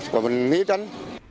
còn mình nghĩ tránh